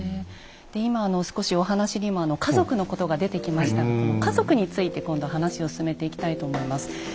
で今少しお話にも家族のことが出てきましたがこの家族について今度話を進めていきたいと思います。